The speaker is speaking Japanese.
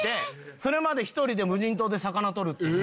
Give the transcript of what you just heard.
それまで１人で無人島で魚をとるっていう。